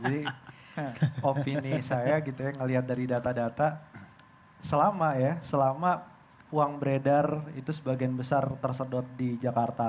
jadi opini saya gitu ya ngelihat dari data data selama ya selama uang beredar itu sebagian besar tersedot di jakarta